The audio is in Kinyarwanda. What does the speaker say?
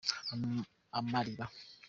amariba.